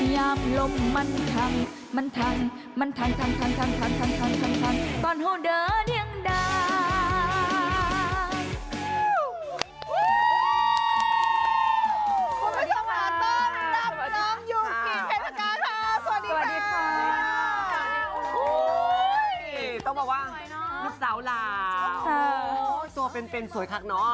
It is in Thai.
ยาบลมมันทังมันทังมันทังทังทังทังตอนโฮเดิร์นยังดาง